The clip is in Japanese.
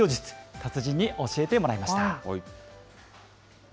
達人に教えてもらいました。